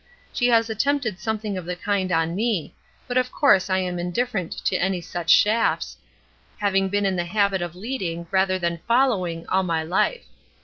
She has attempted something of the kind on me, but, of course I am indifferent to any such shafts, having been in the habit of leading, rather than following, all my life.